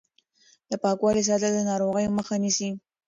د پاکوالي ساتل د ناروغۍ مخه نیسي.